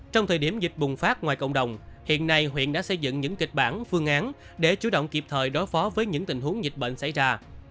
trong thời điểm dịch bùng phát ngoài cộng đồng hiện nay huyện đã xây dựng những kịch bản phương án để chủ động kịp thời đối phó với những tình huống dịch bệnh xảy ra